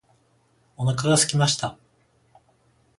お腹がすきました。